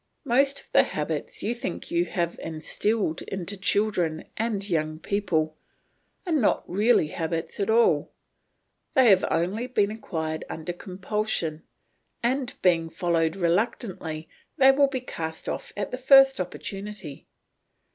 Most of the habits you think you have instilled into children and young people are not really habits at all; they have only been acquired under compulsion, and being followed reluctantly they will be cast off at the first opportunity.